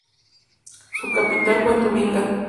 Su capital fue Tubinga.